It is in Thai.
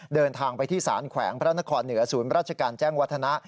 เดินทางไปที่สารแขวงพระนครเหนือศูนย์ราชการแจ้งวัฒนะ